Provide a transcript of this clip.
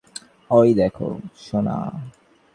ওই দেখ, সোনা।